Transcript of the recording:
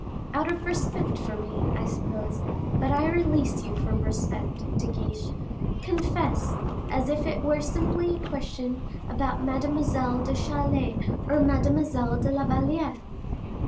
"Out of respect for me, I suppose; but I release you from your respect, De Guiche. Confess, as if it were simply a question about Mademoiselle de Chalais or Mademoiselle de la Valliere."